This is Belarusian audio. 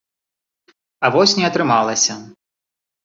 А вось не атрымалася.